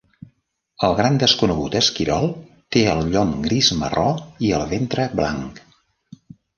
El gran desconegut esquirol té el llom gris-marró i el ventre blanc.